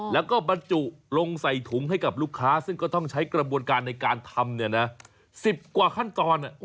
แล้วก็บรรจุลงใส่ถุงให้กับลูกค้าซึ่งก็ต้องใช้กระบวนการในการทำ๑๐กว่าขั้นตอน